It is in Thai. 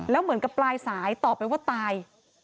แล้วเหมือนกับปลายสายตอบไปว่าตาย